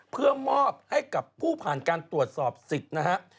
เพื่อมอบให้กับผู้ผ่านการตรวจสอบสิทธิ์นะฮะ